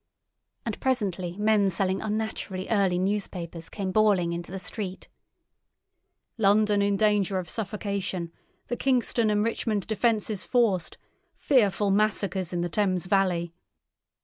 And presently men selling unnaturally early newspapers came bawling into the street: "London in danger of suffocation! The Kingston and Richmond defences forced! Fearful massacres in the Thames Valley!"